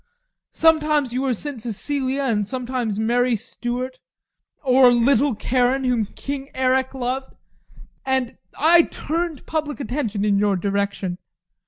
Sometimes you were St. Cecilia, and sometimes Mary Stuart or little Karin, whom King Eric loved. And I turned public attention in your direction.